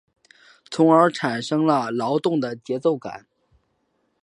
从而产生了劳动的节奏感。